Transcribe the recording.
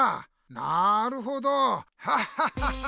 なるほどハハハハ！